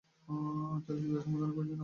চলচ্চিত্রটি সম্পাদনা করেছেন আবু সুফিয়ান।